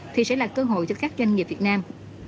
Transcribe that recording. thì sẽ là cơ hội cho các doanh nghiệp việt nam